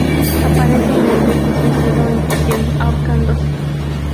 Aparentemente se suicidó en prisión, ahorcándose.